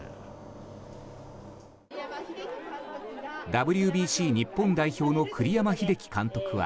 ＷＢＣ日本代表の栗山英樹監督は